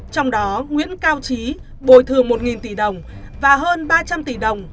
trong đó nguyễn cao trí bồi thường một tỷ đồng và hơn ba trăm linh tỷ đồng